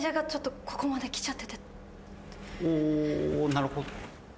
なるほど。